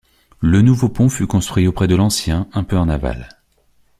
Le nouveau pont fut construit auprès de l’ancien, un peu en aval.